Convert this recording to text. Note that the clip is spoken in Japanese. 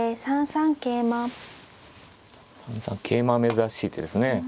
３三桂馬は珍しい手ですね。